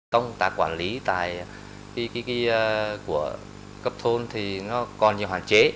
công tác quản lý của cấp thôn thì nó còn nhiều hoàn chế